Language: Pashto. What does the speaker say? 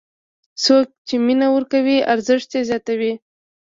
څوک چې مینه ورکوي، ارزښت یې زیاتوي.